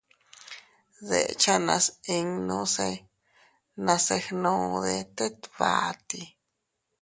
Dechanas innuse nase gnude tet bati.